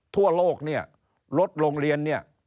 ทั่วโลกรถโรงเรียน